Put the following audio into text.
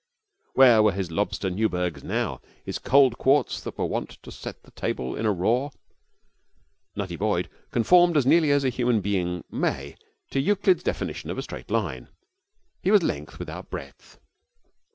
Where were his lobster Newburgs now, his cold quarts that were wont to set the table in a roar? Nutty Boyd conformed as nearly as a human being may to Euclid's definition of a straight line. He was length without breadth.